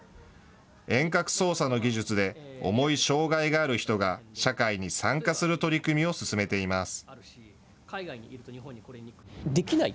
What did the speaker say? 遠隔操作の技術で重い障害がある人が社会に参加する取り組みを進めています。